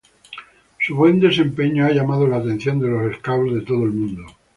Su buen desempeño ha llamado la atención de los scouts de todo el mundo.